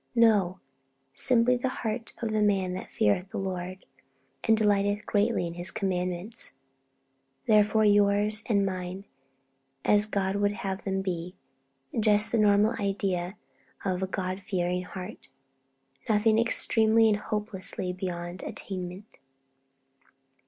No! Simply the heart of the man that feareth the Lord, and delighteth greatly in His commandments. Therefore yours and mine, as God would have them be; just the normal idea of a God fearing heart, nothing extremely and hopelessly beyond attainment.